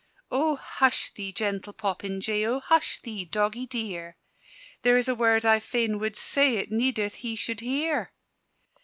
"O hush thee, gentle popinjay! O hush thee, doggie dear! There is a word I fain wad say, It needeth he should hear!"